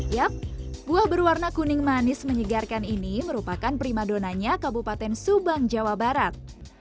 yup buah berwarna kuning manis menyegarkan ini merupakan primadonanya kabupaten subang jawa barat